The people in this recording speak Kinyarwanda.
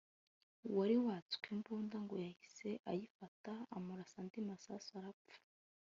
uwari watswe imbunda ngo yahise ayifata amurasa andi masasu arapfa